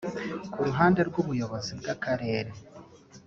Ku ruhande rw’ubuyobozi bw’Akarere